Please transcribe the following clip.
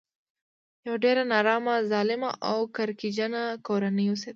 یوه ډېره نارامه ظالمه او کرکجنه کورنۍ اوسېده.